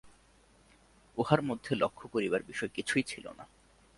উহার মধ্যে লক্ষ্য করিবার বিষয় কিছুই ছিল না।